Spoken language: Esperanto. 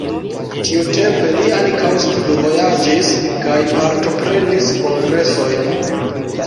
Tiutempe li ankaŭ studvojaĝis kaj partoprenis kongresojn.